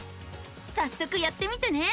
さっそくやってみてね。